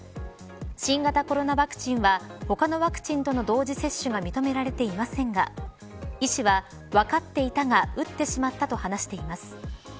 新型コロナワクチンは他のワクチンとの同時接種が認められていませんが医師は、分かっていたが打ってしまったと話しています。